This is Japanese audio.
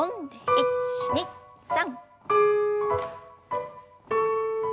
１２３。